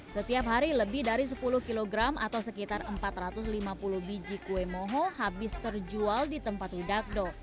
setiap hari lebih dari sepuluh kg atau sekitar empat ratus lima puluh biji kue moho habis terjual di tempat widagdo